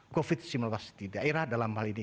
covid sembilan belas di daerah dalam hal ini